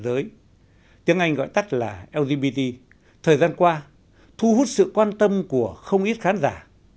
tiếng anh gọi tắt là lgbt thời gian qua thu hút sự quan tâm của không ít khán giả